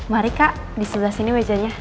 mari kak di sebelah sini mejanya